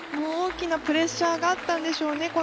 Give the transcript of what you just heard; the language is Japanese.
大きなプレッシャーがあったんでしょうね。